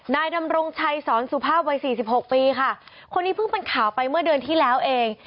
นายดำรงชัยสอนสุภาพวัยสี่สิบหกปีค่ะคนนี้เพิ่งเป็นข่าวไปเมื่อเดือนที่แล้วเอง